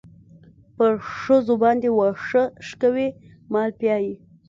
پر ښځو باندې واښه شکوي مال پيايي.